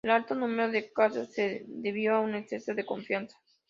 El alto número de casos se debió a un exceso de confianza.